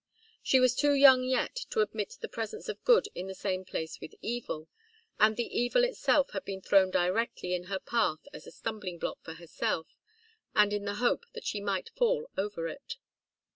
She was too young yet to admit the presence of good in the same place with evil, and the evil itself had been thrown directly in her path as a stumbling block for herself, and in the hope that she might fall over it.